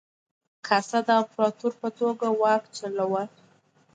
کاسا د امپراتور په توګه واک چلاوه.